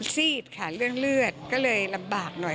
ซีดค่ะเรื่องเลือดก็เลยลำบากหน่อย